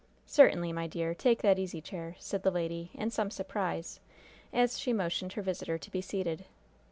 "Certainly, my dear. Take that easy chair," said the lady, in some surprise, as she motioned her visitor to be seated.